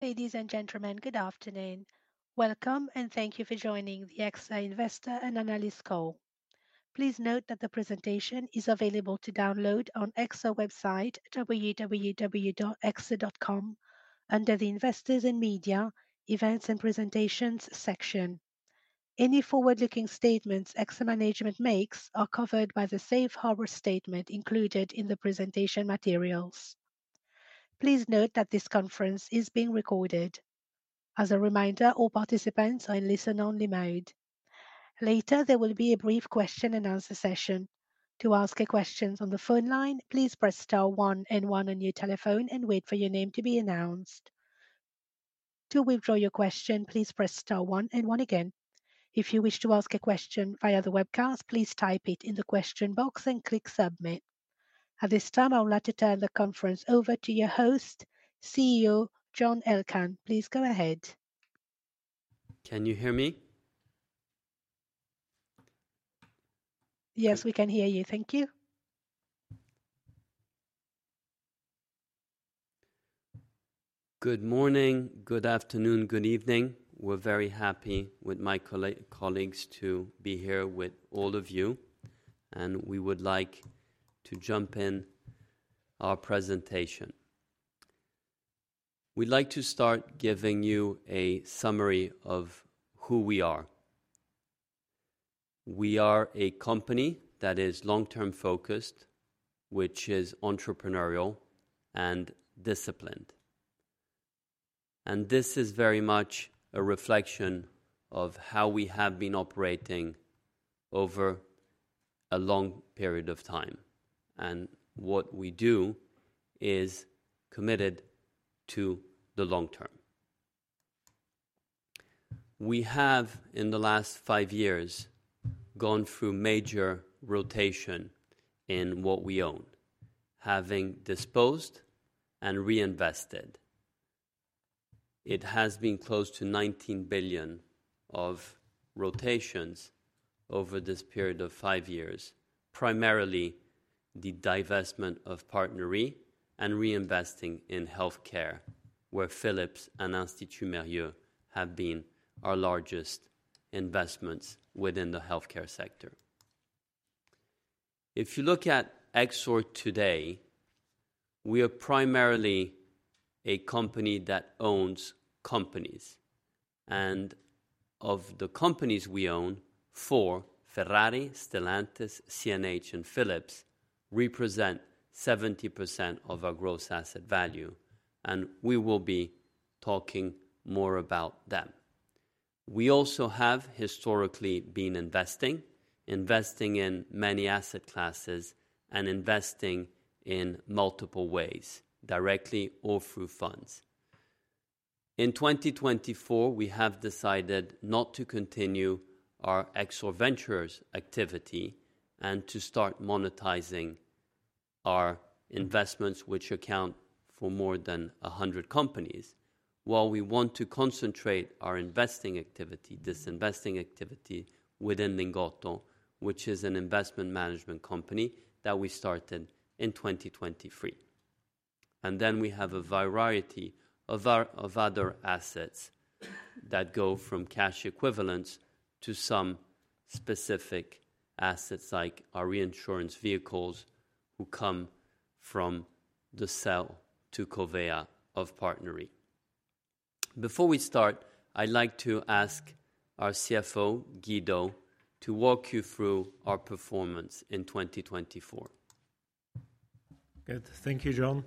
Ladies and gentlemen, good afternoon. Welcome, and thank you for joining the EXOR Investor and Analyst Call. Please note that the presentation is available to download on EXOR's website, www.exor.com, under the Investors and Media Events and Presentations section. Any forward-looking statements EXOR Management makes are covered by the Safe Harbor Statement included in the presentation materials. Please note that this conference is being recorded. As a reminder, all participants are in listen-only mode. Later, there will be a brief question-and-answer session. To ask a question on the phone line, please press star one and one on your telephone and wait for your name to be announced. To withdraw your question, please press star one and one again. If you wish to ask a question via the webcast, please type it in the question box and click submit. At this time, I would like to turn the conference over to your host, CEO John Elkann. Please go ahead. Can you hear me? Yes, we can hear you. Thank you. Good morning, good afternoon, good evening. We're very happy with my colleagues to be here with all of you, and we would like to jump in our presentation. We'd like to start giving you a summary of who we are. We are a company that is long-term focused, which is entrepreneurial and disciplined. This is very much a reflection of how we have been operating over a long period of time. What we do is committed to the long term. We have, in the last five years, gone through major rotation in what we own, having disposed and reinvested. It has been close to $19 billion of rotations over this period of five years, primarily the divestment of PartnerRe and reinvesting in healthcare, where Philips and Institut Mérieux have been our largest investments within the healthcare sector. If you look at EXOR today, we are primarily a company that owns companies. Of the companies we own, four, Ferrari, Stellantis, CNH, and Philips, represent 70% of our gross asset value. We will be talking more about them. We also have historically been investing, investing in many asset classes, and investing in multiple ways, directly or through funds. In 2024, we have decided not to continue our EXOR Ventures activity and to start monetizing our investments, which account for more than 100 companies, while we want to concentrate our investing activity, this investing activity, within Lingotto, which is an investment management company that we started in 2023. We have a variety of other assets that go from cash equivalents to some specific assets, like our reinsurance vehicles who come from the sale to Covéa of PartnerRe. Before we start, I'd like to ask our CFO, Guido, to walk you through our performance in 2024. Good. Thank you, John.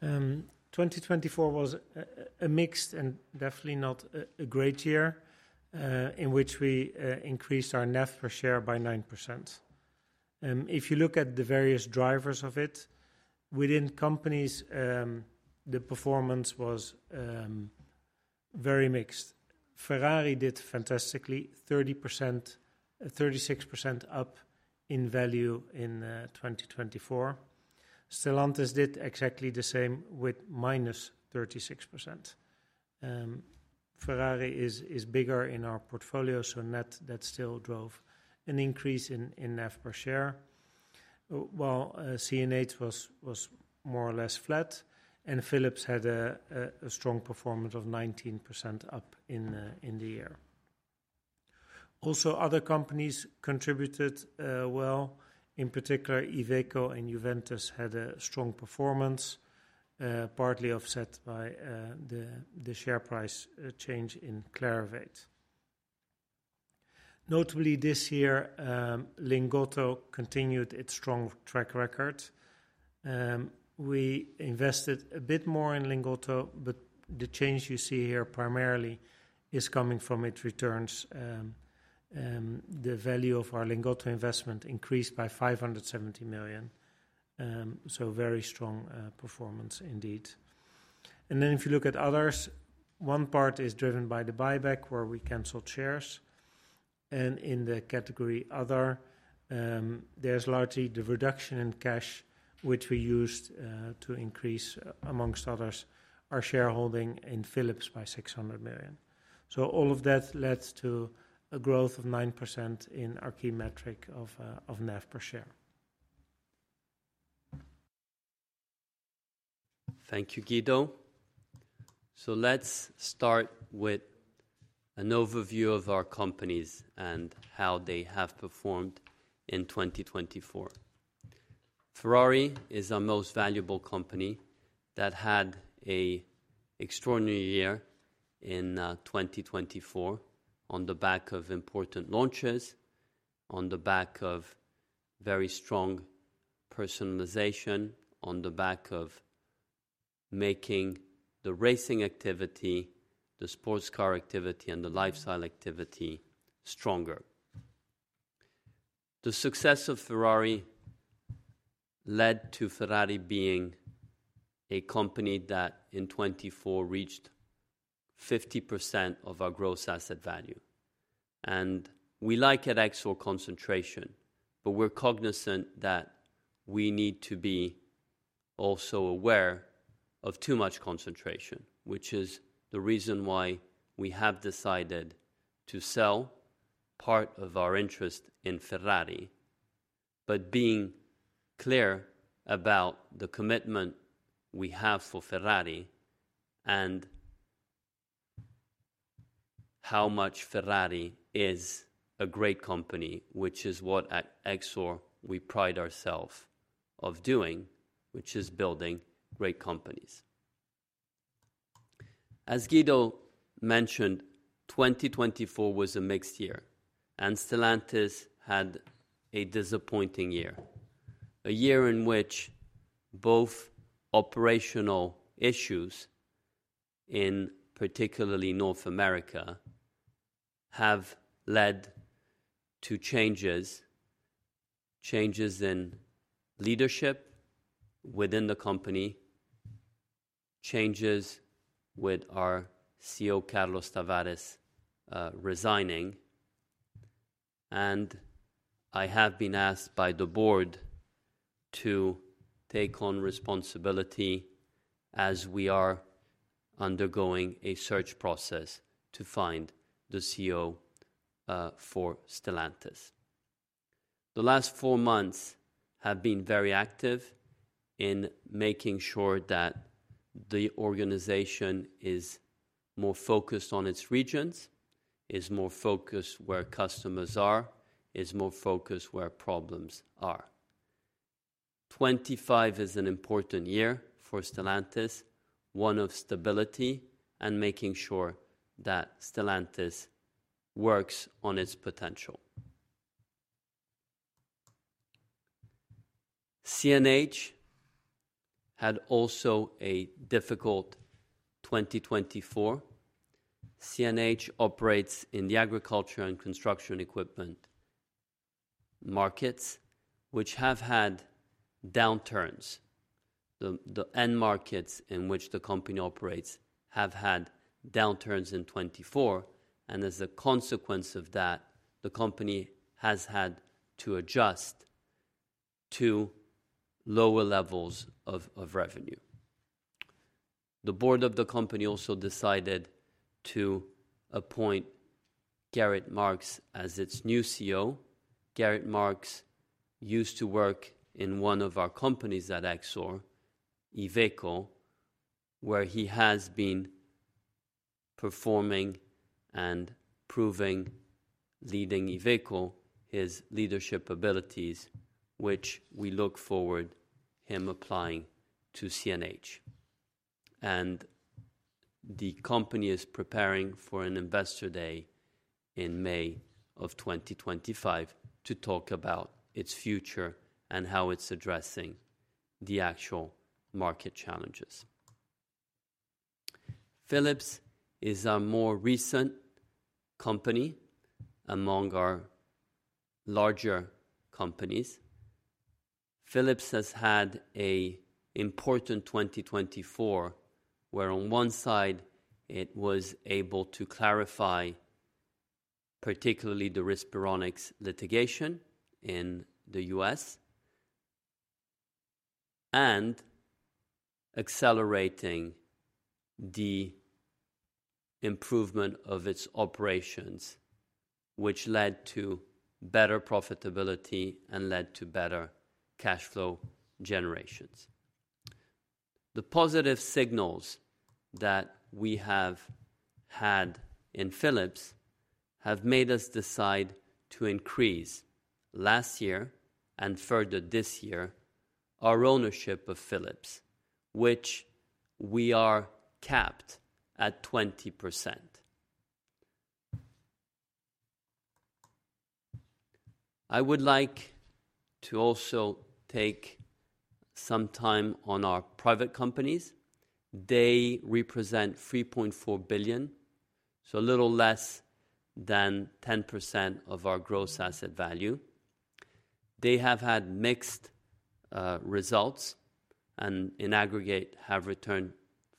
2024 was a mixed and definitely not a great year in which we increased our net per share by 9%. If you look at the various drivers of it, within companies, the performance was very mixed. Ferrari did fantastically, 30%-36% up in value in 2024. Stellantis did exactly the same with -36%. Ferrari is bigger in our portfolio, so that still drove an increase in net per share. While CNH was more or less flat, and Philips had a strong performance of 19% up in the year. Also, other companies contributed well, in particular, Iveco and Juventus had a strong performance, partly offset by the share price change in Clarivate. Notably, this year, Lingotto continued its strong track record. We invested a bit more in Lingotto, but the change you see here primarily is coming from its returns. The value of our Lingotto investment increased by $570 million. Very strong performance indeed. If you look at others, one part is driven by the buyback where we canceled shares. In the category other, there is largely the reduction in cash, which we used to increase, among others, our shareholding in Philips by $600 million. All of that led to a growth of 9% in our key metric of net per share. Thank you, Guido. Let's start with an overview of our companies and how they have performed in 2024. Ferrari is our most valuable company that had an extraordinary year in 2024 on the back of important launches, on the back of very strong personalization, on the back of making the racing activity, the sports car activity, and the lifestyle activity stronger. The success of Ferrari led to Ferrari being a company that in 2024 reached 50% of our gross asset value. We like at EXOR concentration, but we're cognizant that we need to be also aware of too much concentration, which is the reason why we have decided to sell part of our interest in Ferrari, but being clear about the commitment we have for Ferrari and how much Ferrari is a great company, which is what at EXOR we pride ourselves on doing, which is building great companies. As Guido mentioned, 2024 was a mixed year, and Stellantis had a disappointing year, a year in which both operational issues, particularly in North America, have led to changes, changes in leadership within the company, changes with our CEO, Carlos Tavares, resigning. I have been asked by the board to take on responsibility as we are undergoing a search process to find the CEO for Stellantis. The last four months have been very active in making sure that the organization is more focused on its regions, is more focused where customers are, is more focused where problems are. 2025 is an important year for Stellantis, one of stability and making sure that Stellantis works on its potential. CNH had also a difficult 2024. CNH operates in the agriculture and construction equipment markets, which have had downturns. The end markets in which the company operates have had downturns in 2024, and as a consequence of that, the company has had to adjust to lower levels of revenue. The board of the company also decided to appoint Gerrit Marx as its new CEO. Gerrit Marx used to work in one of our companies at EXOR, Iveco, where he has been performing and proving leading Iveco's leadership abilities, which we look forward to him applying to CNH. The company is preparing for an investor day in May of 2025 to talk about its future and how it is addressing the actual market challenges. Philips is a more recent company among our larger companies. Philips has had an important 2024, where on one side it was able to clarify, particularly the Respironics litigation in the U.S., and accelerating the improvement of its operations, which led to better profitability and led to better cash flow generations. The positive signals that we have had in Philips have made us decide to increase last year and further this year our ownership of Philips, which we are capped at 20%. I would like to also take some time on our private companies. They represent $3.4 billion, so a little less than 10% of our gross asset value. They have had mixed results and in aggregate have returned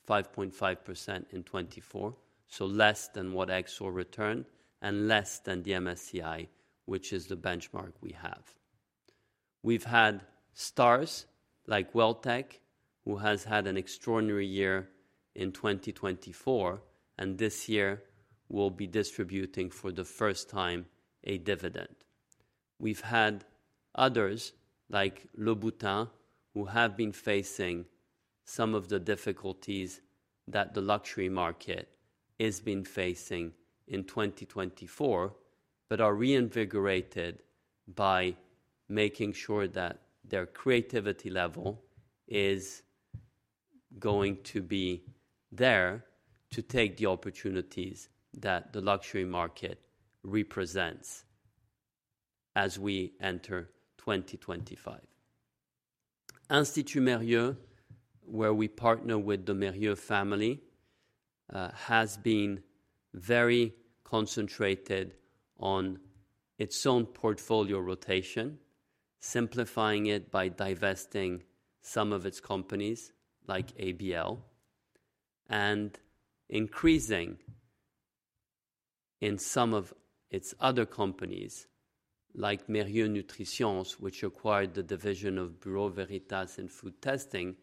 5.5% in 2024, so less than what EXOR returned and less than the MSCI, which is the benchmark we have. We've had stars like Welltec, who has had an extraordinary year in 2024, and this year will be distributing for the first time a dividend. We've had others like Louboutin, who have been facing some of the difficulties that the luxury market has been facing in 2024, but are reinvigorated by making sure that their creativity level is going to be there to take the opportunities that the luxury market represents as we enter 2025. Institut Mérieux, where we partner with the Mérieux family, has been very concentrated on its own portfolio rotation, simplifying it by divesting some of its companies like ABL and increasing in some of its other companies like Mérieux NutriSciences, which acquired the division of Bureau Veritas and Food Testing,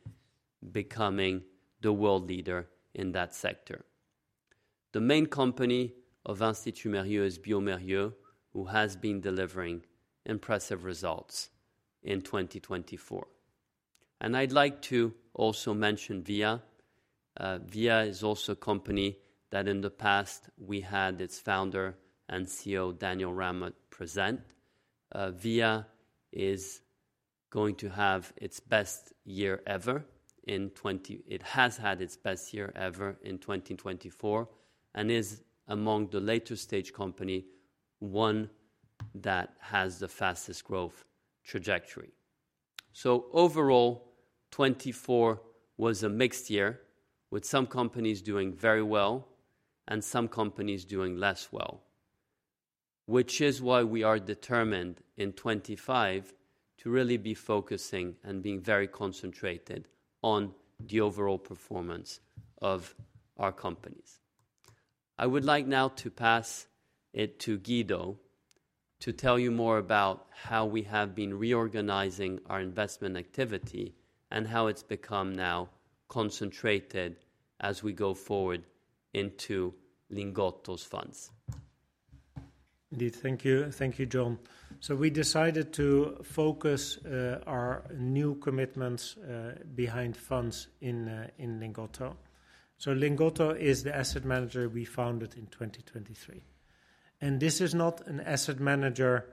becoming the world leader in that sector. The main company of Institut Mérieux is bioMérieux, who has been delivering impressive results in 2024. I would like to also mention Via. Via is also a company that in the past we had its founder and CEO, Daniel Ramot, present. Via is going to have its best year ever in 2024. It has had its best year ever in 2024 and is among the later stage companies, one that has the fastest growth trajectory. Overall, 2024 was a mixed year with some companies doing very well and some companies doing less well, which is why we are determined in 2025 to really be focusing and being very concentrated on the overall performance of our companies. I would like now to pass it to Guido to tell you more about how we have been reorganizing our investment activity and how it has become now concentrated as we go forward into Lingotto's funds. Thank you. Thank you, John. We decided to focus our new commitments behind funds in Lingotto. Lingotto is the asset manager we founded in 2023. This is not an asset manager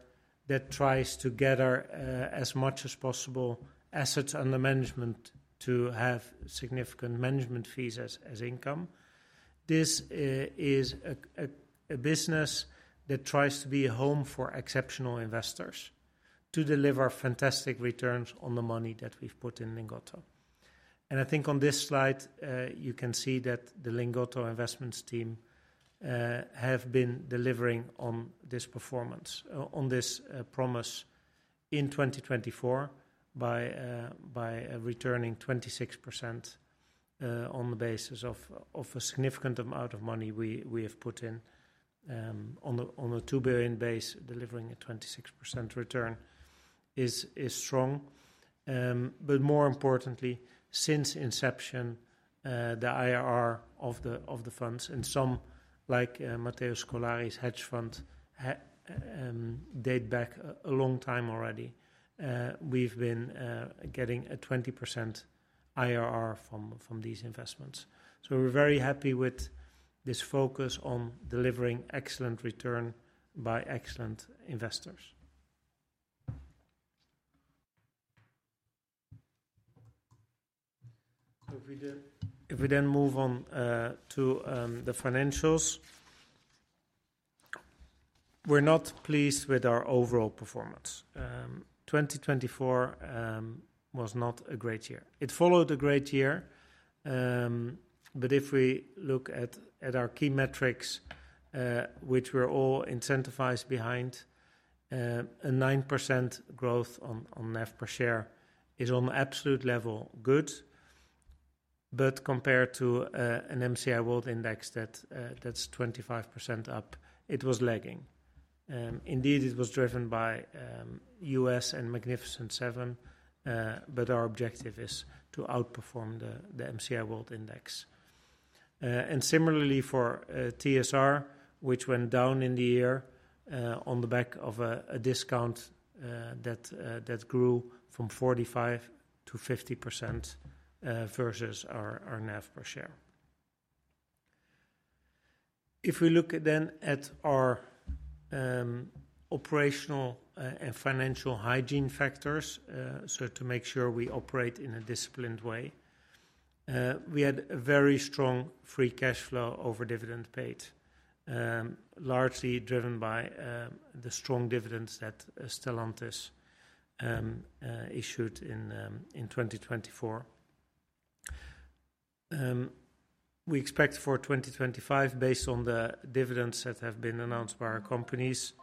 that tries to gather as much as possible assets under management to have significant management fees as income. This is a business that tries to be a home for exceptional investors to deliver fantastic returns on the money that we've put in Lingotto. I think on this slide, you can see that the Lingotto investments team have been delivering on this performance, on this promise in 2024 by returning 26% on the basis of a significant amount of money we have put in on a $2 billion base, delivering a 26% return is strong. More importantly, since inception, the IRR of the funds and some, like Matteo Scolari's hedge fund, date back a long time already. We've been getting a 20% IRR from these investments. We're very happy with this focus on delivering excellent return by excellent investors. If we then move on to the financials, we're not pleased with our overall performance. 2024 was not a great year. It followed a great year, but if we look at our key metrics, which we're all incentivized behind, a 9% growth on net per share is on absolute level good, but compared to an MSCI World Index that's 25% up, it was lagging. Indeed, it was driven by U.S. and Magnificent Seven, but our objective is to outperform the MSCI World Index. Similarly for TSR, which went down in the year on the back of a discount that grew from 45% to 50% versus our net per share. If we look then at our operational and financial hygiene factors, to make sure we operate in a disciplined way, we had a very strong free cash flow over dividend paid, largely driven by the strong dividends that Stellantis issued in 2024. We expect for 2025, based on the dividends that have been announced by our companies,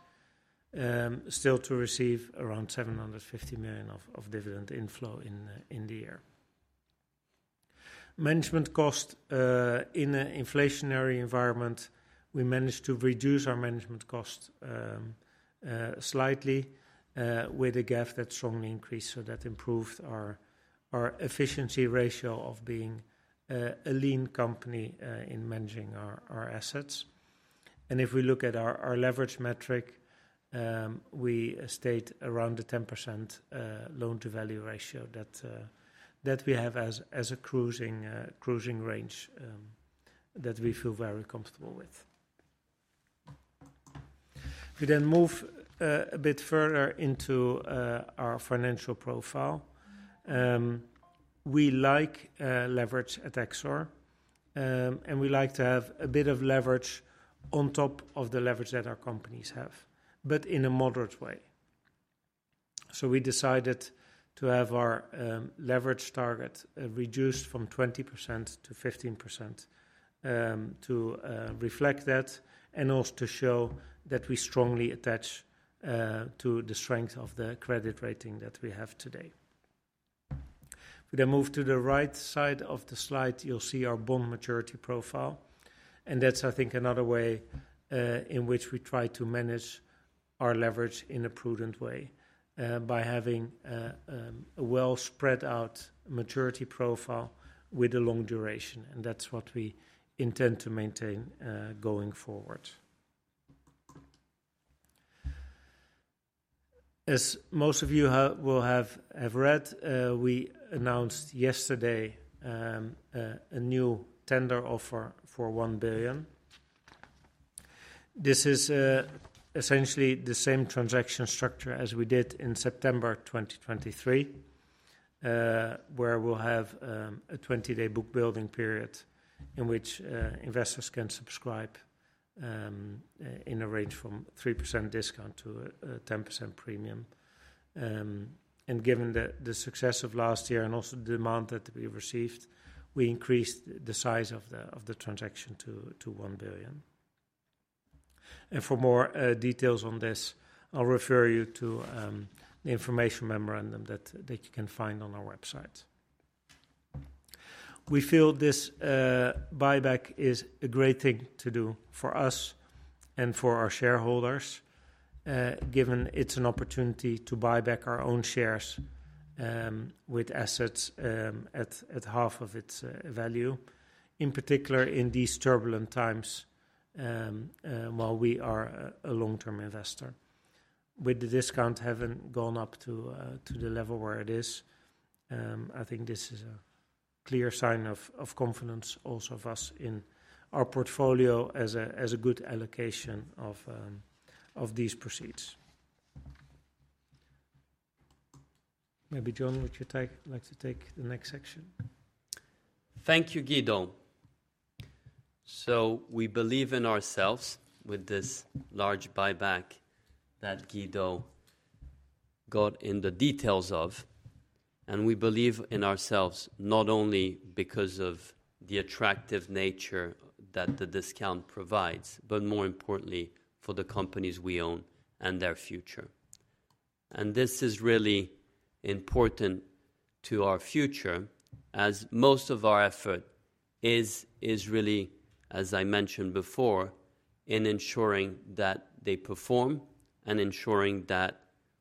still to receive around 750 million of dividend inflow in the year. Management cost in an inflationary environment, we managed to reduce our management cost slightly with a GAV that strongly increased, so that improved our efficiency ratio of being a lean company in managing our assets. If we look at our leverage metric, we state around the 10% loan-to-value ratio that we have as a cruising range that we feel very comfortable with. If we then move a bit further into our financial profile, we like leverage at EXOR, and we like to have a bit of leverage on top of the leverage that our companies have, but in a moderate way. We decided to have our leverage target reduced from 20% to 15% to reflect that and also to show that we strongly attach to the strength of the credit rating that we have today. We then move to the right side of the slide, you'll see our bond maturity profile, and that's, I think, another way in which we try to manage our leverage in a prudent way by having a well-spread out maturity profile with a long duration, and that's what we intend to maintain going forward. As most of you will have read, we announced yesterday a new tender offer for $1 billion. This is essentially the same transaction structure as we did in September 2023, where we'll have a 20-day book building period in which investors can subscribe in a range from 3% discount to a 10% premium. Given the success of last year and also the demand that we received, we increased the size of the transaction to $1 billion. For more details on this, I'll refer you to the information memorandum that you can find on our website. We feel this buyback is a great thing to do for us and for our shareholders, given it's an opportunity to buy back our own shares with assets at half of its value, in particular in these turbulent times while we are a long-term investor. With the discount having gone up to the level where it is, I think this is a clear sign of confidence also of us in our portfolio as a good allocation of these proceeds. Maybe John, would you like to take the next section? Thank you, Guido. We believe in ourselves with this large buyback that Guido got in the details of, and we believe in ourselves not only because of the attractive nature that the discount provides, but more importantly for the companies we own and their future. This is really important to our future as most of our effort is really, as I mentioned before, in ensuring that they perform and ensuring that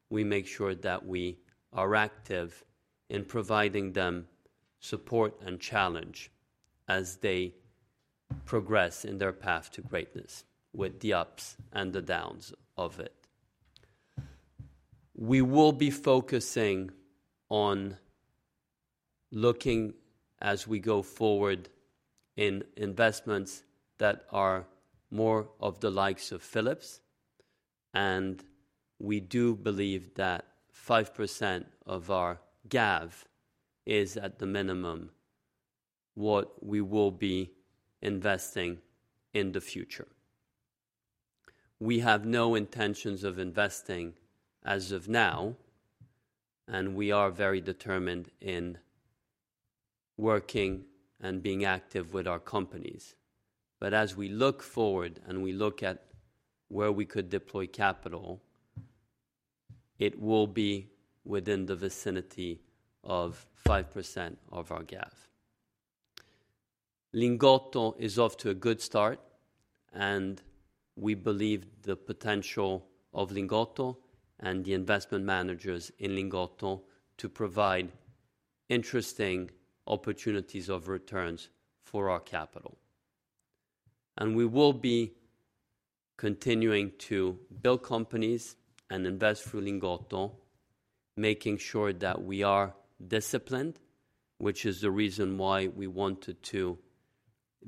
we make sure that we are active in providing them support and challenge as they progress in their path to greatness with the ups and the downs of it. We will be focusing on looking as we go forward in investments that are more of the likes of Philips, and we do believe that 5% of our GAV is at the minimum what we will be investing in the future. We have no intentions of investing as of now, and we are very determined in working and being active with our companies. As we look forward and we look at where we could deploy capital, it will be within the vicinity of 5% of our GAV. Lingotto is off to a good start, and we believe the potential of Lingotto and the investment managers in Lingotto to provide interesting opportunities of returns for our capital. We will be continuing to build companies and invest through Lingotto, making sure that we are disciplined, which is the reason why we wanted to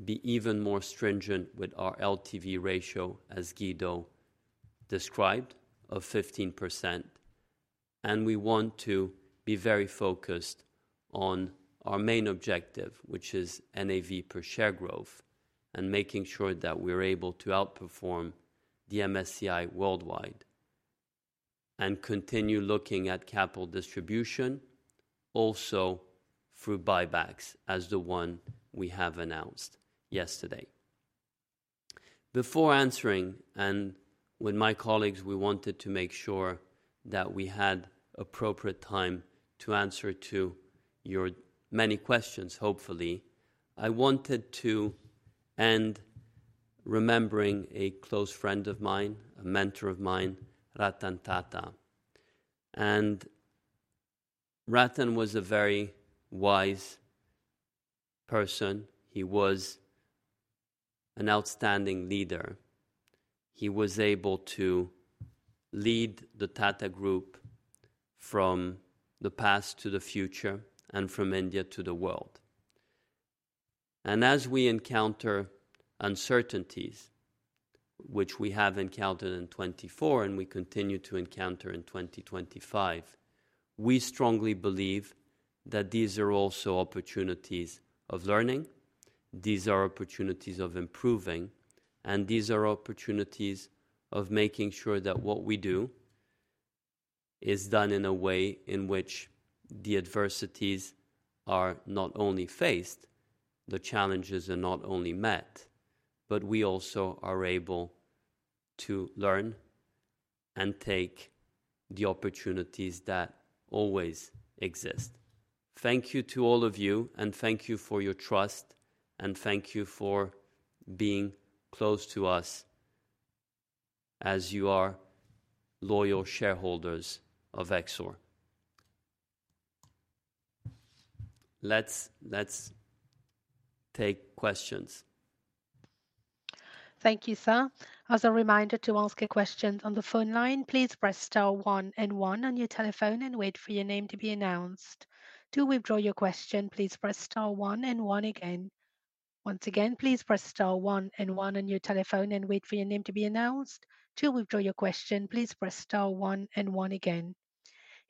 be even more stringent with our LTV ratio, as Guido described, of 15%. We want to be very focused on our main objective, which is NAV per share growth, and making sure that we're able to outperform the MSCI World and continue looking at capital distribution also through buybacks as the one we have announced yesterday. Before answering, and with my colleagues, we wanted to make sure that we had appropriate time to answer to your many questions, hopefully, I wanted to end remembering a close friend of mine, a mentor of mine, Ratan Tata. Ratan was a very wise person. He was an outstanding leader. He was able to lead the Tata Group from the past to the future and from India to the world. As we encounter uncertainties, which we have encountered in 2024 and we continue to encounter in 2025, we strongly believe that these are also opportunities of learning, these are opportunities of improving, and these are opportunities of making sure that what we do is done in a way in which the adversities are not only faced, the challenges are not only met, but we also are able to learn and take the opportunities that always exist. Thank you to all of you, and thank you for your trust, and thank you for being close to us as you are loyal shareholders of EXOR. Let's take questions. Thank you, sir. As a reminder to ask a question on the phone line, please press star one and one on your telephone and wait for your name to be announced. To withdraw your question, please press star one and one again. Once again, please press star one and one on your telephone and wait for your name to be announced. To withdraw your question, please press star one and one again.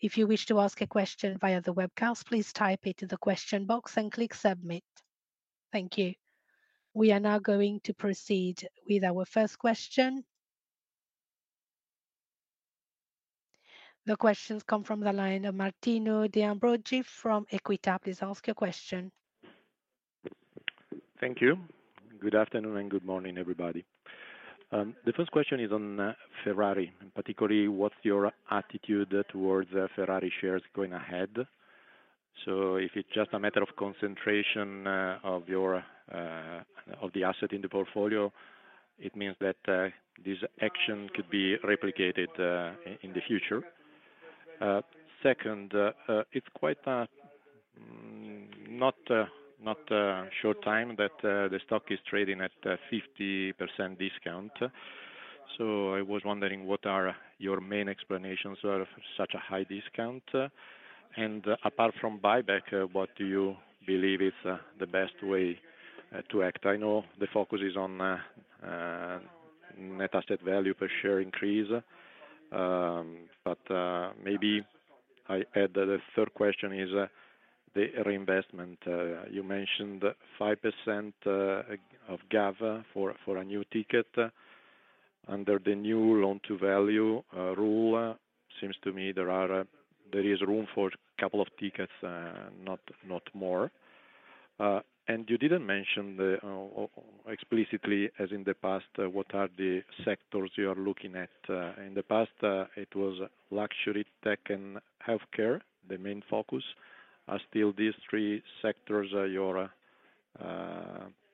If you wish to ask a question via the webcast, please type it in the question box and click submit. Thank you. We are now going to proceed with our first question. The questions come from the line of Martino De Ambroggi from Equita. Please ask your question. Thank you. Good afternoon and good morning, everybody. The first question is on Ferrari, particularly what's your attitude towards Ferrari shares going ahead? If it's just a matter of concentration of the asset in the portfolio, it means that this action could be replicated in the future. Second, it's quite a not a short time that the stock is trading at a 50% discount. I was wondering what are your main explanations of such a high discount? Apart from buyback, what do you believe is the best way to act? I know the focus is on net asset value per share increase, but maybe I add that the third question is the reinvestment. You mentioned 5% of GAV for a new ticket under the new loan-to-value rule. Seems to me there is room for a couple of tickets, not more. You did not mention explicitly as in the past what are the sectors you are looking at. In the past, it was luxury, tech, and healthcare the main focus. Are still these three sectors your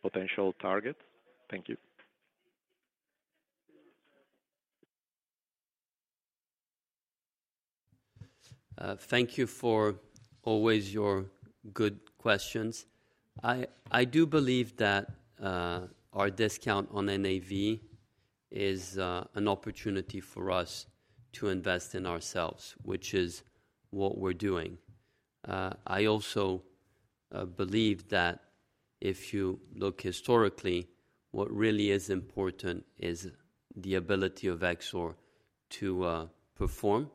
potential target? Thank you. Thank you for always your good questions. I do believe that our discount on NAV is an opportunity for us to invest in ourselves, which is what we're doing. I also believe that if you look historically, what really is important is the ability of EXOR to perform,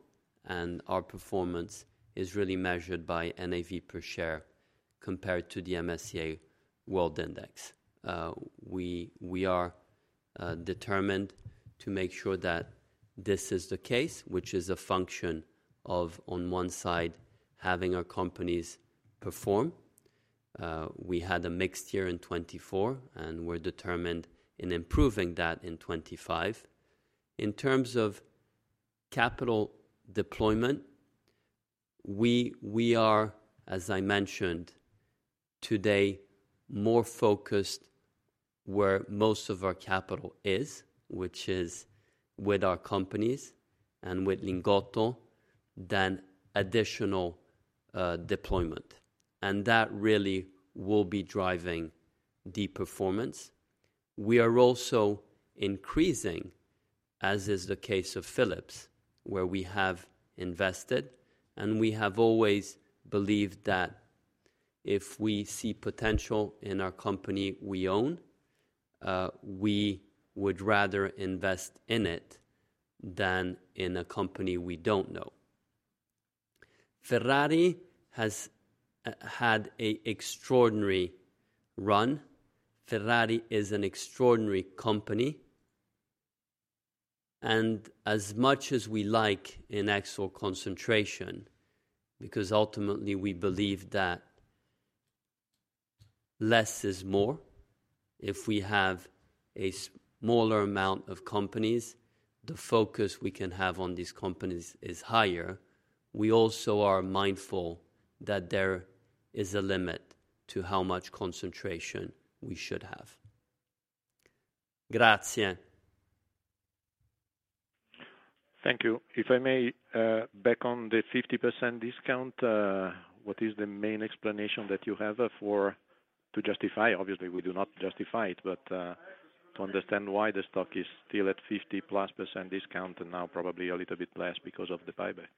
and our performance is really measured by NAV per share compared to the MSCI World Index. We are determined to make sure that this is the case, which is a function of, on one side, having our companies perform. We had a mixed year in 2024, and we're determined in improving that in 2025. In terms of capital deployment, we are, as I mentioned today, more focused where most of our capital is, which is with our companies and with Lingotto, than additional deployment. That really will be driving the performance. We are also increasing, as is the case of Philips, where we have invested, and we have always believed that if we see potential in our company we own, we would rather invest in it than in a company we do not know. Ferrari has had an extraordinary run. Ferrari is an extraordinary company. As much as we like in EXOR concentration, because ultimately we believe that less is more, if we have a smaller amount of companies, the focus we can have on these companies is higher, we also are mindful that there is a limit to how much concentration we should have. Grazie. Thank you. If I may, back on the 50% discount, what is the main explanation that you have to justify? Obviously, we do not justify it, but to understand why the stock is still at 50% plus discount and now probably a little bit less because of the buyback?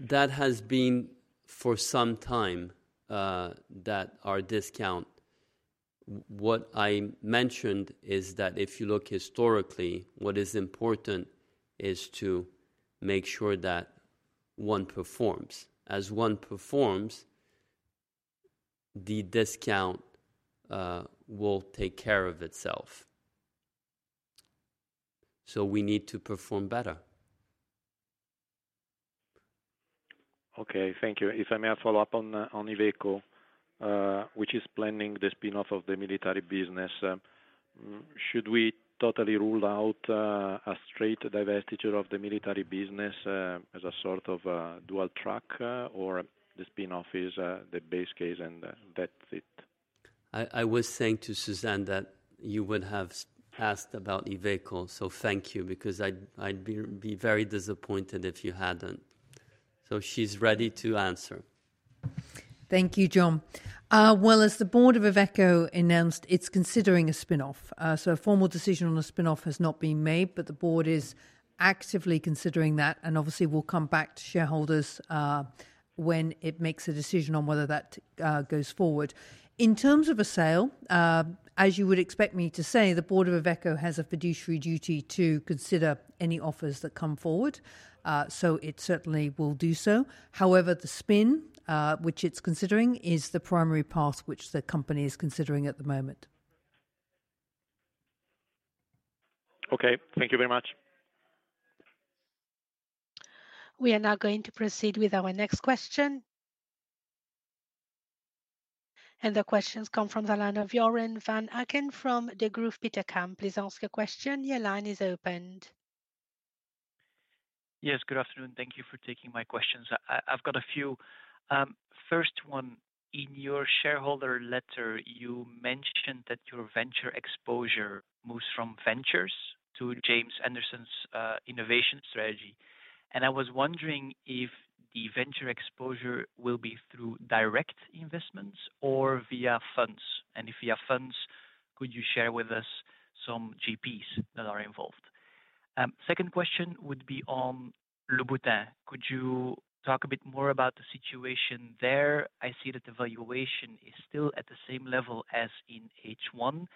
That has been for some time that our discount. What I mentioned is that if you look historically, what is important is to make sure that one performs. As one performs, the discount will take care of itself. We need to perform better. Okay, thank you. If I may follow up on Iveco, which is planning the spinoff of the military business, should we totally rule out a straight divestiture of the military business as a sort of dual track, or the spinoff is the base case and that's it? I was saying to Suzanne that you would have asked about Iveco, thank you, because I'd be very disappointed if you hadn't. She's ready to answer. Thank you, John. As the board of Iveco announced, it's considering a spinoff. A formal decision on a spinoff has not been made, but the board is actively considering that, and obviously we'll come back to shareholders when it makes a decision on whether that goes forward. In terms of a sale, as you would expect me to say, the board of Iveco has a fiduciary duty to consider any offers that come forward, so it certainly will do so. However, the spin, which it's considering, is the primary path which the company is considering at the moment. Okay, thank you very much. We are now going to proceed with our next question. The questions come from the line of Joren Van Aken from Degroof Petercam. Please ask a question. Your line is opened. Yes, good afternoon. Thank you for taking my questions. I've got a few. First one, in your shareholder letter, you mentioned that your venture exposure moves from ventures to James Anderson's innovation strategy. I was wondering if the venture exposure will be through direct investments or via funds. If via funds, could you share with us some GPs that are involved? Second question would be on Louboutin. Could you talk a bit more about the situation there? I see that the valuation is still at the same level as in H1,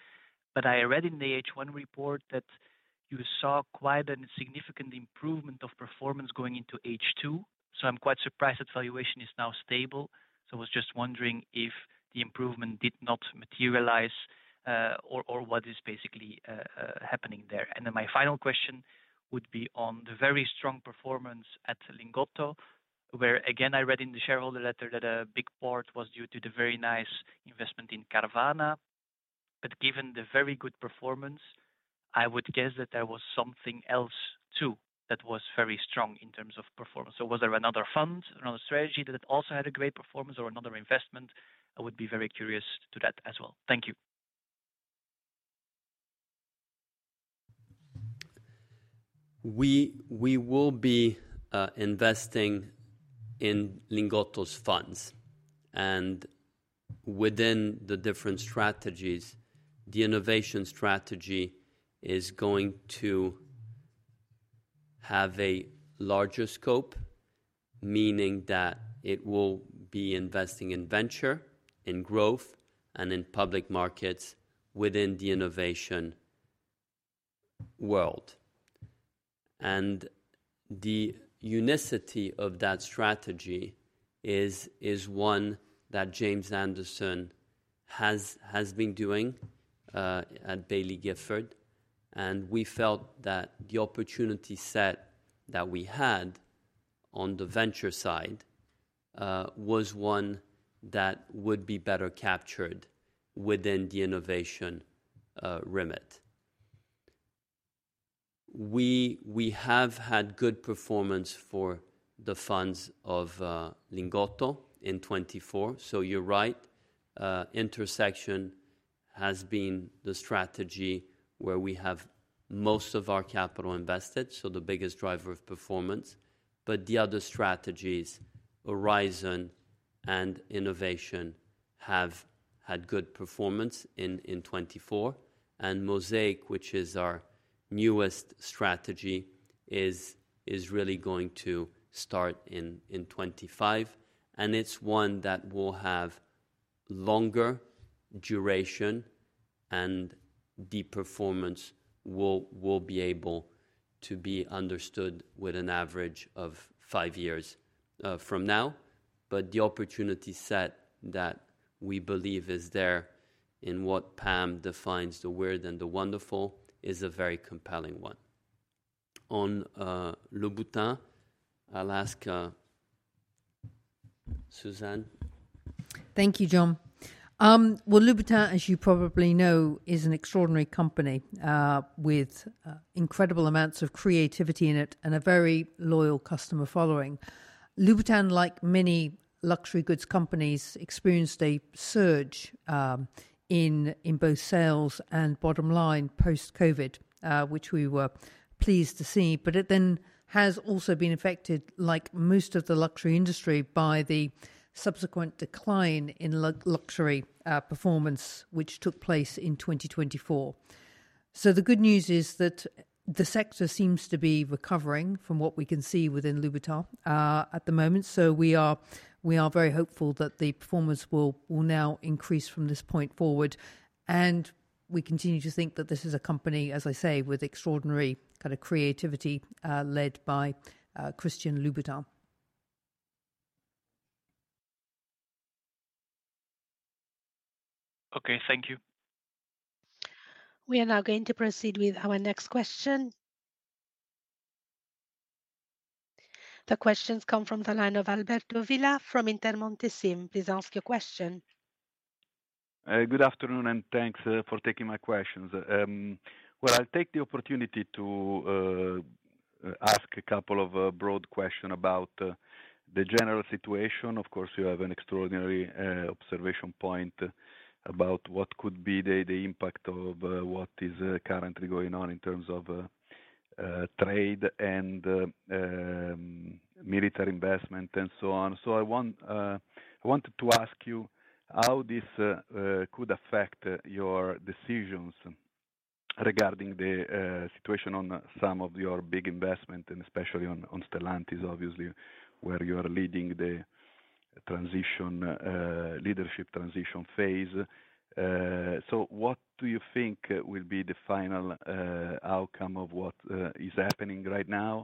but I read in the H1 report that you saw quite a significant improvement of performance going into H2. I am quite surprised that valuation is now stable. I was just wondering if the improvement did not materialize or what is basically happening there. My final question would be on the very strong performance at Lingotto, where again, I read in the shareholder letter that a big part was due to the very nice investment in Carvana. Given the very good performance, I would guess that there was something else too that was very strong in terms of performance. Was there another fund, another strategy that also had a great performance or another investment? I would be very curious to that as well. Thank you. We will be investing in Lingotto's funds. Within the different strategies, the innovation strategy is going to have a larger scope, meaning that it will be investing in venture, in growth, and in public markets within the innovation world. The unicity of that strategy is one that James Anderson has been doing at Baillie Gifford. We felt that the opportunity set that we had on the venture side was one that would be better captured within the innovation remit. We have had good performance for the funds of Lingotto in 2024. You are right. Intersection has been the strategy where we have most of our capital invested, so the biggest driver of performance. The other strategies, Horizon and Innovation, have had good performance in 2024. Mosaic, which is our newest strategy, is really going to start in 2025. It is one that will have longer duration, and the performance will be able to be understood with an average of five years from now. The opportunity set that we believe is there in what Pam defines the weird and the wonderful is a very compelling one. On Louboutin, I'll ask Suzanne. Thank you, John. Louboutin, as you probably know, is an extraordinary company with incredible amounts of creativity in it and a very loyal customer following. Louboutin, like many luxury goods companies, experienced a surge in both sales and bottom line post-COVID, which we were pleased to see. It then has also been affected, like most of the luxury industry, by the subsequent decline in luxury performance, which took place in 2024. The good news is that the sector seems to be recovering from what we can see within Louboutin at the moment. We are very hopeful that the performance will now increase from this point forward. We continue to think that this is a company, as I say, with extraordinary kind of creativity led by Christian Louboutin. Okay, thank you. We are now going to proceed with our next question. The questions come from the line of Alberto Villa from Intermonte SIM. Please ask your question. Good afternoon and thanks for taking my questions. I'll take the opportunity to ask a couple of broad questions about the general situation. Of course, you have an extraordinary observation point about what could be the impact of what is currently going on in terms of trade and military investment and so on. I wanted to ask you how this could affect your decisions regarding the situation on some of your big investments, and especially on Stellantis, obviously, where you are leading the leadership transition phase. What do you think will be the final outcome of what is happening right now?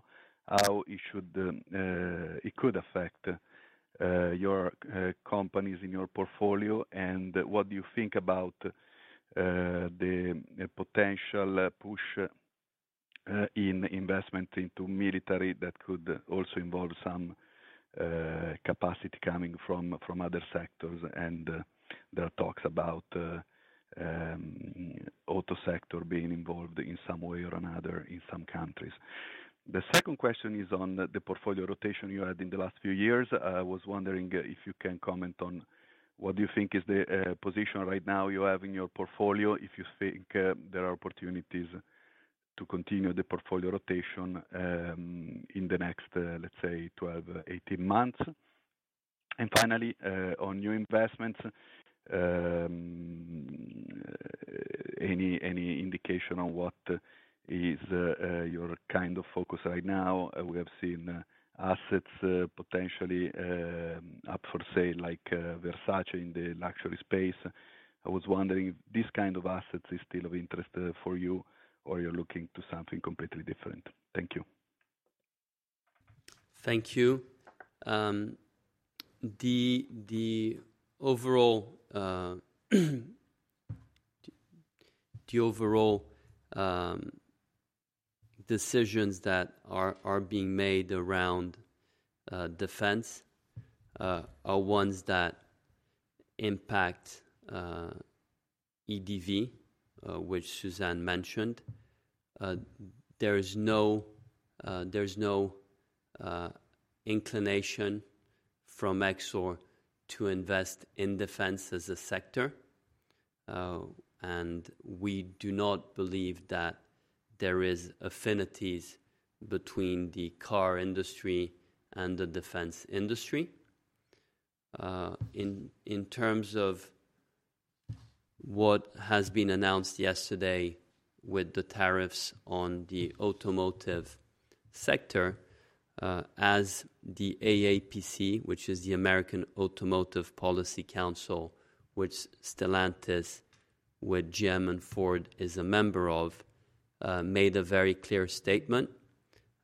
How could it affect your companies in your portfolio? What do you think about the potential push in investment into military that could also involve some capacity coming from other sectors? There are talks about the auto sector being involved in some way or another in some countries. The second question is on the portfolio rotation you had in the last few years. I was wondering if you can comment on what do you think is the position right now you have in your portfolio, if you think there are opportunities to continue the portfolio rotation in the next, let's say, 12-18 months. Finally, on new investments, any indication on what is your kind of focus right now? We have seen assets potentially up for sale, like Versace in the luxury space. I was wondering if this kind of assets is still of interest for you or you're looking to something completely different. Thank you. Thank you. The overall decisions that are being made around defense are ones that impact EDV, which Suzanne mentioned. There is no inclination from EXOR to invest in defense as a sector. We do not believe that there are affinities between the car industry and the defense industry. In terms of what has been announced yesterday with the tariffs on the automotive sector, as the AAPC, which is the American Automotive Policy Council, which Stellantis, with GM and Ford, is a member of, made a very clear statement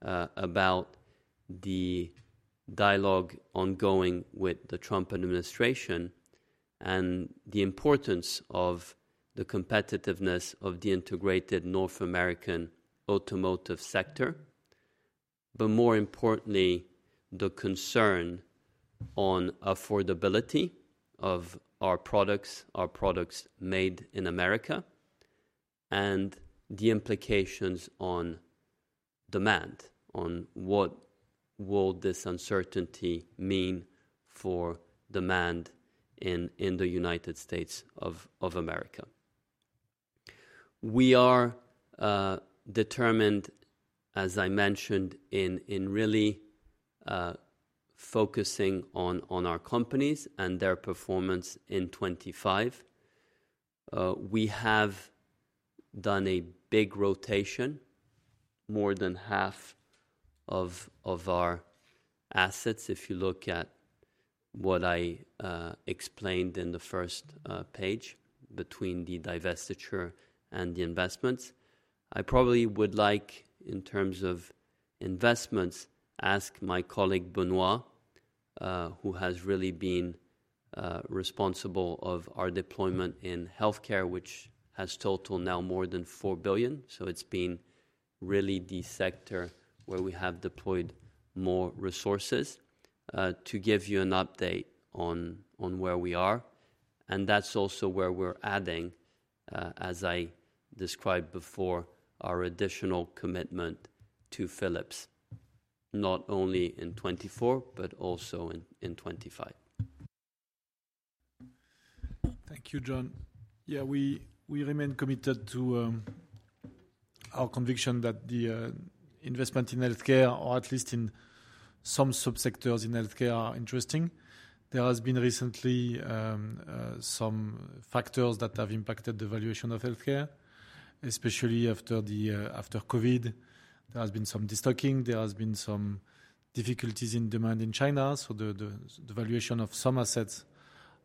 about the dialogue ongoing with the Trump administration and the importance of the competitiveness of the integrated North American automotive sector. More importantly, the concern on affordability of our products, our products made in America, and the implications on demand, on what will this uncertainty mean for demand in the United States of America. We are determined, as I mentioned, in really focusing on our companies and their performance in 2025. We have done a big rotation, more than half of our assets, if you look at what I explained in the first page, between the divestiture and the investments. I probably would like, in terms of investments, to ask my colleague Benoît, who has really been responsible for our deployment in healthcare, which has totaled now more than $4 billion. It has been really the sector where we have deployed more resources. To give you an update on where we are. That is also where we are adding, as I described before, our additional commitment to Philips, not only in 2024, but also in 2025. Thank you, John. Yeah, we remain committed to our conviction that the investment in healthcare, or at least in some subsectors in healthcare, are interesting. There has been recently some factors that have impacted the valuation of healthcare, especially after COVID. There has been some destocking. There has been some difficulties in demand in China. The valuation of some assets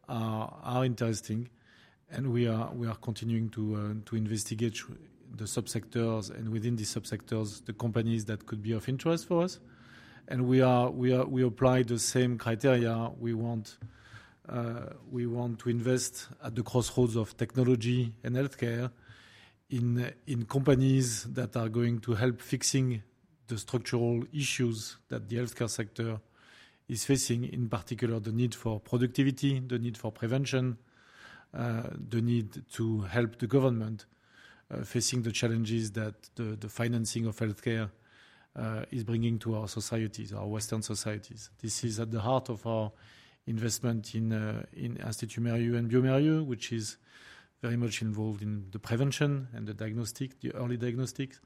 are interesting. We are continuing to investigate the subsectors and within the subsectors, the companies that could be of interest for us. We apply the same criteria. We want to invest at the crossroads of technology and healthcare in companies that are going to help fix the structural issues that the healthcare sector is facing, in particular the need for productivity, the need for prevention, the need to help the government facing the challenges that the financing of healthcare is bringing to our societies, our Western societies. This is at the heart of our investment in Institut Mérieux and bioMérieux, which is very much involved in the prevention and the diagnostic, the early diagnostics.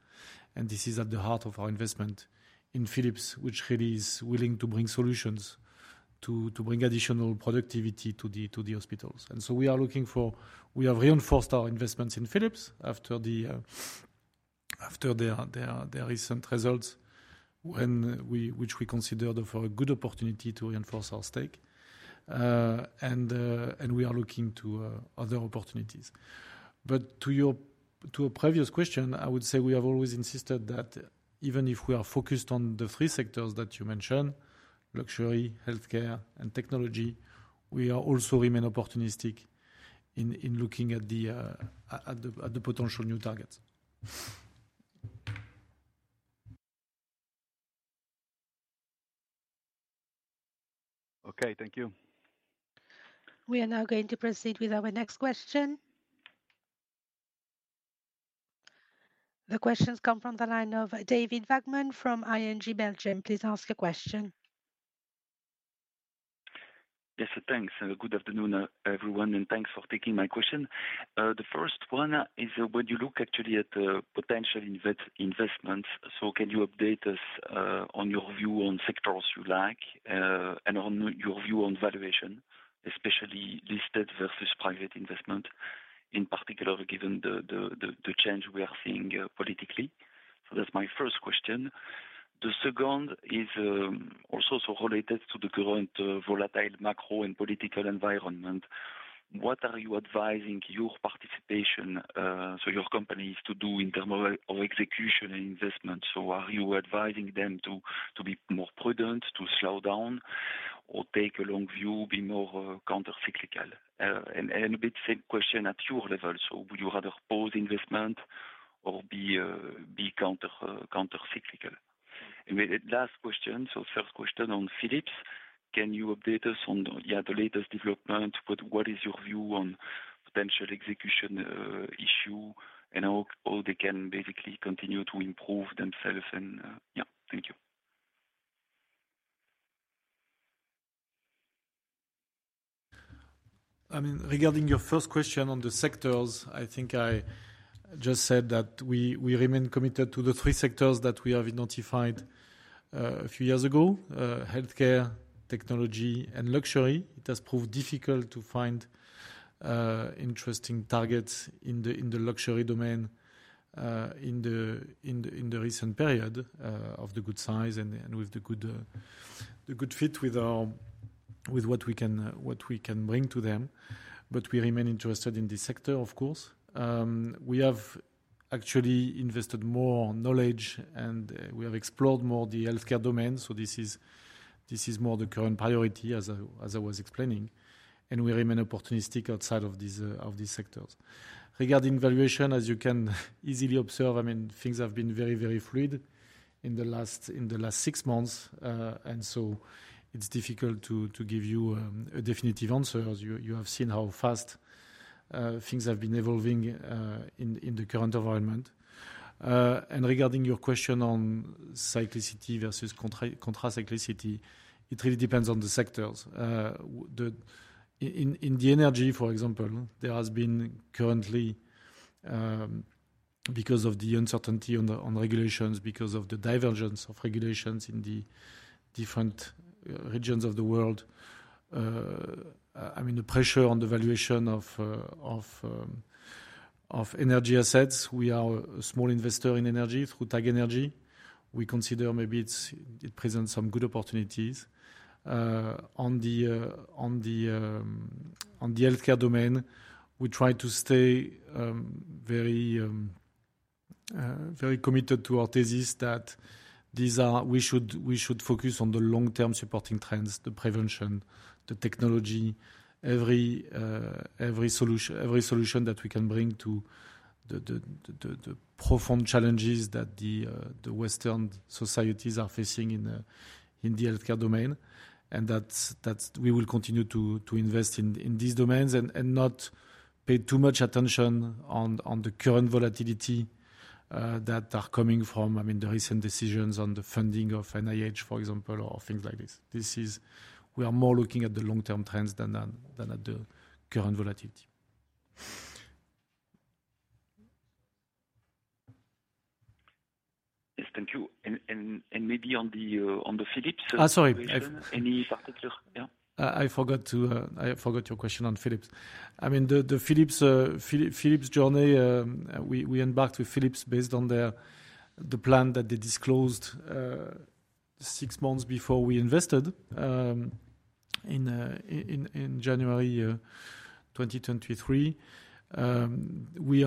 This is at the heart of our investment in Philips, which really is willing to bring solutions, to bring additional productivity to the hospitals. We are looking for, we have reinforced our investments in Philips after their recent results, which we considered a good opportunity to reinforce our stake. We are looking to other opportunities. To your previous question, I would say we have always insisted that even if we are focused on the three sectors that you mentioned, luxury, healthcare, and technology, we also remain opportunistic in looking at the potential new targets. Okay, thank you. We are now going to proceed with our next question. The questions come from the line of David Vagman from ING Belgium. Please ask a question. Yes, thanks. Good afternoon, everyone. Thanks for taking my question. The first one is, when you look actually at potential investments, can you update us on your view on sectors you like and on your view on valuation, especially listed versus private investment, in particular given the change we are seeing politically? That is my first question. The second is also related to the current volatile macro and political environment. What are you advising your participation, your companies, to do in terms of execution and investment? Are you advising them to be more prudent, to slow down, or take a long view, be more countercyclical? A bit same question at your level. Would you rather oppose investment or be countercyclical? Last question, first question on Philips. Can you update us on the latest development? What is your view on potential execution issue and how they can basically continue to improve themselves? Yeah, thank you. I mean, regarding your first question on the sectors, I think I just said that we remain committed to the three sectors that we have identified a few years ago: healthcare, technology, and luxury. It has proved difficult to find interesting targets in the luxury domain in the recent period of the good size and with the good fit with what we can bring to them. We remain interested in this sector, of course. We have actually invested more knowledge and we have explored more the healthcare domain. This is more the current priority, as I was explaining. We remain opportunistic outside of these sectors. Regarding valuation, as you can easily observe, I mean, things have been very, very fluid in the last six months. It is difficult to give you a definitive answer. You have seen how fast things have been evolving in the current environment. Regarding your question on cyclicity versus contracyclicity, it really depends on the sectors. In energy, for example, there has been currently, because of the uncertainty on regulations, because of the divergence of regulations in the different regions of the world, I mean, the pressure on the valuation of energy assets. We are a small investor in energy through TagEnergy. We consider maybe it presents some good opportunities. In the healthcare domain, we try to stay very committed to our thesis that we should focus on the long-term supporting trends, the prevention, the technology, every solution that we can bring to the profound challenges that the Western societies are facing in the healthcare domain. We will continue to invest in these domains and not pay too much attention to the current volatility that is coming from, I mean, the recent decisions on the funding of NIH, for example, or things like this. We are more looking at the long-term trends than at the current volatility. Yes, thank you. Maybe on the Philips. sorry. Any particular? I forgot your question on Philips. I mean, the Philips journey, we embarked with Philips based on the plan that they disclosed six months before we invested in January 2023. They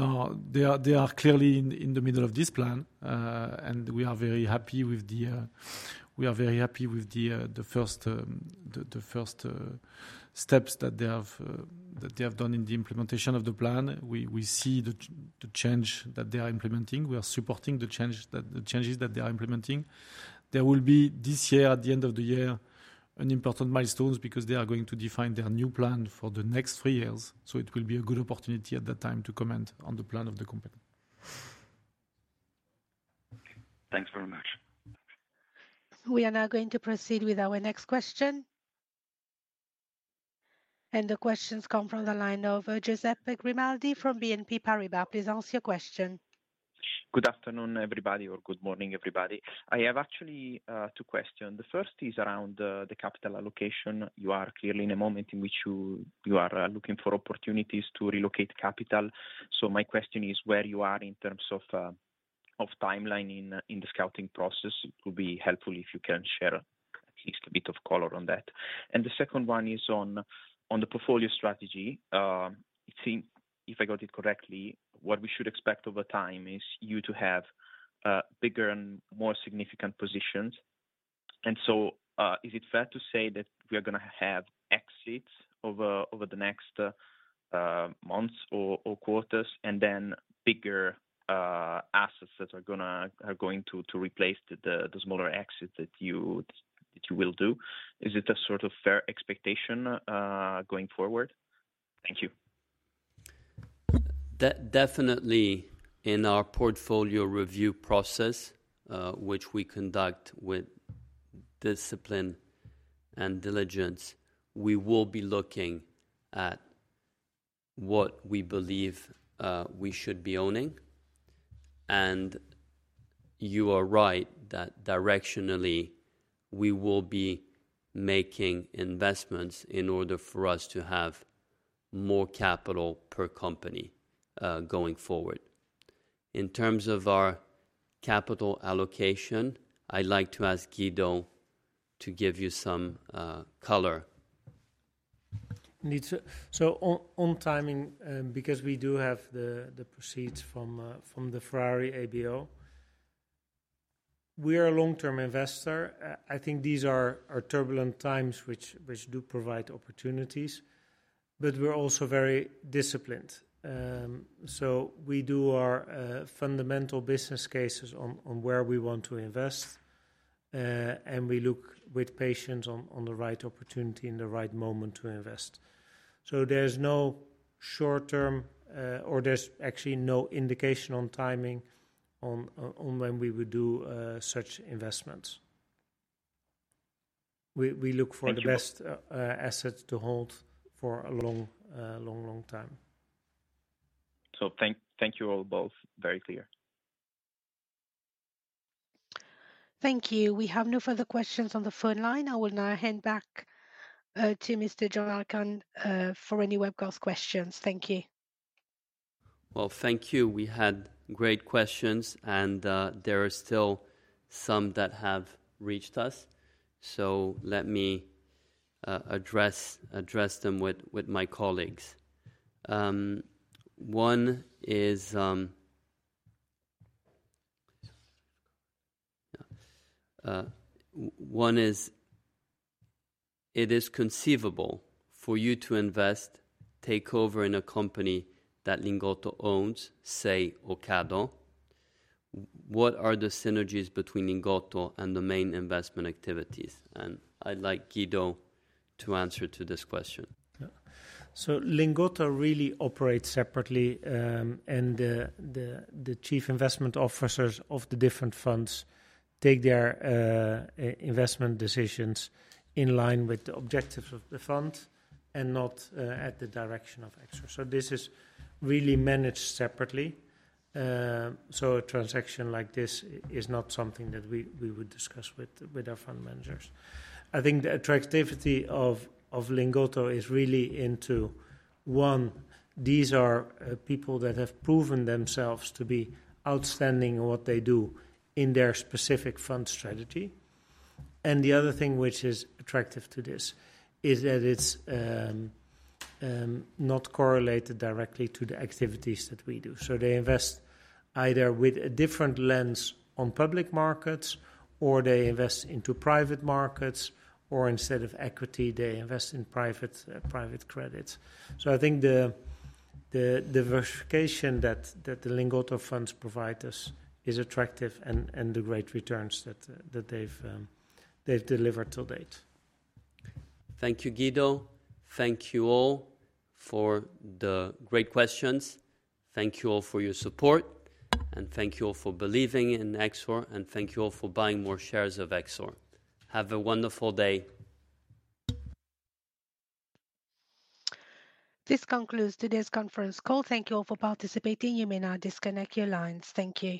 are clearly in the middle of this plan, and we are very happy with the first steps that they have done in the implementation of the plan. We see the change that they are implementing. We are supporting the changes that they are implementing. There will be this year, at the end of the year, an important milestone because they are going to define their new plan for the next three years. It will be a good opportunity at that time to comment on the plan of the company. Thanks very much. We are now going to proceed with our next question. The questions come from the line of Joseph Grimaldi BNP Paribas. Please ask your question. Good afternoon, everybody, or good morning, everybody. I have actually two questions. The first is around the capital allocation. You are clearly in a moment in which you are looking for opportunities to relocate capital. My question is where you are in terms of timeline in the scouting process. It would be helpful if you can share at least a bit of color on that. The second one is on the portfolio strategy. If I got it correctly, what we should expect over time is you to have bigger and more significant positions. Is it fair to say that we are going to have exits over the next months or quarters and then bigger assets that are going to replace the smaller exits that you will do? Is it a sort of fair expectation going forward? Thank you. Definitely, in our portfolio review process, which we conduct with discipline and diligence, we will be looking at what we believe we should be owning. You are right that directionally, we will be making investments in order for us to have more capital per company going forward. In terms of our capital allocation, I'd like to ask Guido to give you some color. On timing, because we do have the proceeds from the Ferrari ABO, we are a long-term investor. I think these are turbulent times, which do provide opportunities, but we're also very disciplined. We do our fundamental business cases on where we want to invest, and we look with patience on the right opportunity and the right moment to invest. There is no short-term, or there is actually no indication on timing on when we would do such investments. We look for the best assets to hold for a long, long, long time. Thank you all both. Very clear. Thank you. We have no further questions on the phone line. I will now hand back to Mr. João Alcân for any webcast questions. Thank you. Thank you. We had great questions, and there are still some that have reached us. Let me address them with my colleagues. One is, it is conceivable for you to invest, take over in a company that Lingotto owns, say, Ocado. What are the synergies between Lingotto and the main investment activities? I would like Guido to answer to this question. Lingotto really operates separately, and the chief investment officers of the different funds take their investment decisions in line with the objectives of the fund and not at the direction of Exor. This is really managed separately. A transaction like this is not something that we would discuss with our fund managers. I think the attractivity of Lingotto is really into, one, these are people that have proven themselves to be outstanding in what they do in their specific fund strategy. The other thing which is attractive to this is that it's not correlated directly to the activities that we do. They invest either with a different lens on public markets, or they invest into private markets, or instead of equity, they invest in private credits. I think the diversification that the Lingotto funds provide us is attractive and the great returns that they've delivered till date. Thank you, Guido. Thank you all for the great questions. Thank you all for your support, and thank you all for believing in EXOR, and thank you all for buying more shares of EXOR. Have a wonderful day. This concludes today's conference call. Thank you all for participating. You may now disconnect your lines. Thank you.